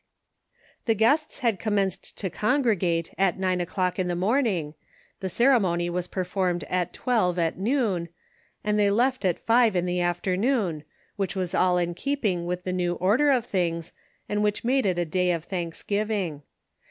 The guests had commenced to congregate at nine o'clock in the morning, the ceremony was performed at twelve at noon, and they left at five in the afternoon, which was all in keeping with the new order of things, and which made it a day of thanksgiving.